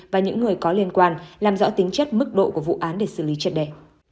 và những người có liên quan làm rõ tính chất mức độ của vụ án để xử lý chất đề